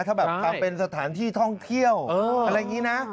ถ้าแบบทำเป็นสถานที่ท่องเที่ยวอะไรอย่างนี้นะ